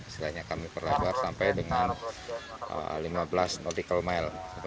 misalnya kami pelabar sampai dengan lima belas nautical mile